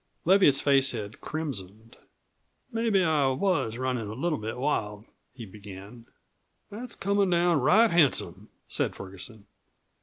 Leviatt's face had crimsoned. "Mebbe I was runnin' a little bit wild " he began. "That's comin' down right handsome," said Ferguson.